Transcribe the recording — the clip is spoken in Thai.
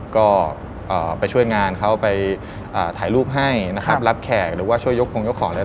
ก็ช่วยงานเข้าไปถ่ายรูปให้รับแขกช่วยยกของเลย